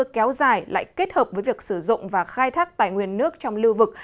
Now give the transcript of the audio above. kéo dài lại kết hợp với việc sử dụng và khai thác tài nguyên nước trong lưu vực